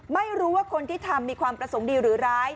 ไม่รู้ว่าคนที่ทำมีความประสงค์ดีหรือร้าย